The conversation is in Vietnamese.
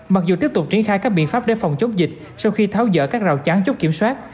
mặc dù tiếp tục triển khai các biện pháp để phòng chốt dịch sau khi tháo dở các rào trắng chốt kiểm soát